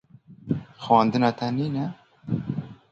Xwendina te nîne?